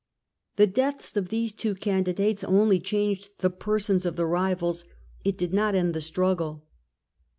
The deaths of these two candidates only changed the persons of the rivals, it did not end the struggle.